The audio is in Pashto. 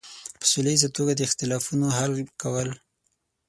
په سوله ییزه توګه د اختلافونو حل کول.